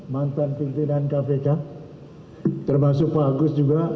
mantan pimpinan kpk termasuk pak agus juga